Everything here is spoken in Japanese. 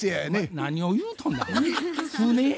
何を言うとんのや。